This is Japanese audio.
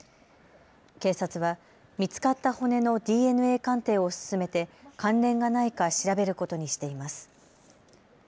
警察は見つかった骨のＤＮＡ鑑定を進めて関連がないか調べることにしています。